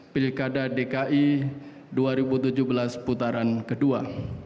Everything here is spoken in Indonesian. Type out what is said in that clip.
pilkada dki dua ribu tujuh belas putaran kedua